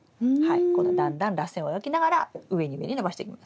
このだんだんらせんを描きながら上に上に伸ばしていきます。